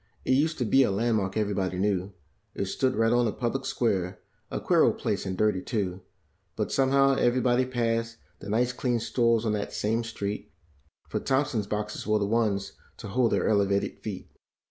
It used to be a landmark every¬ body knew, stood right on the public square, a queer old place and dirty, too; But, somehow, every¬ body passed the nice clean stores on that same street, For Thompson's boxes were the ones to hold their elevated feet.